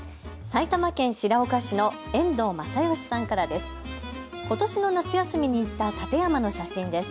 埼玉県白岡市の遠藤雅良さんからです。